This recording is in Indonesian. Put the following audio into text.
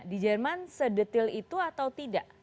di jerman sedetil itu atau tidak